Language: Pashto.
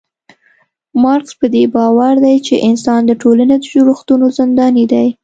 مارکس پدې باور دی چي انسان د ټولني د جوړښتونو زنداني دی